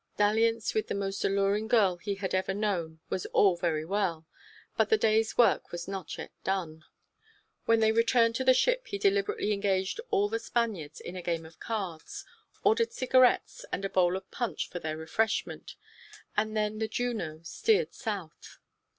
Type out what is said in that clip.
Dalliance with the most alluring girl he had ever known was all very well, but the day's work was not yet done. When they returned to the ship he deliberately engaged all the Spaniards in a game of cards, ordered cigarettes and a bowl of punch for their refreshment, and then the Juno steered south.